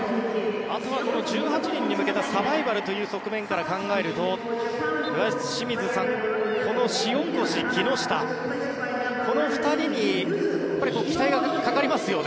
あとは１８人に向けたサバイバルという側面から考えると岩清水さん塩越、木下この２人に期待がかかりますよね。